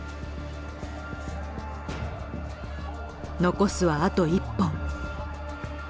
残すはあと１本。